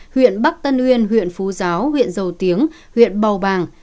huyện bắc tân uyên huyện phú giáo huyện dầu tiếng huyện bầu bàng